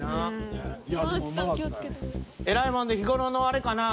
えらいもんで日ごろのあれかな？